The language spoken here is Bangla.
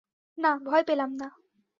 না, ভয় পেলাম না।